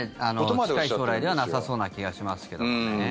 それは近い将来ではなさそうな気がしますけどもね。